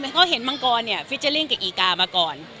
ไม่เขาเห็นมังกรเนี่ยฟิจเจอริงไกด์อีกามาก่อน